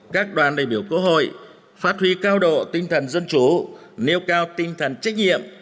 các đoàn đại biểu quốc hội phát huy cao độ tinh thần dân chủ nêu cao tinh thần trách nhiệm